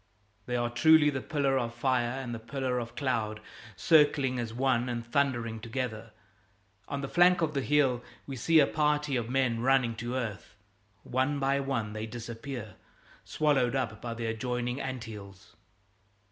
They are truly the pillar of fire and the pillar of cloud, circling as one and thundering together. On the flank of the hill we see a party of men running to earth. One by one they disappear, swallowed up in the adjoining anthills.